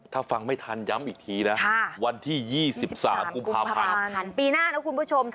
ถ้าฟังไม่ทันย้ำอีกทีนะวันที่๒๓กุมภาพันธ์ปีหน้านะคุณผู้ชม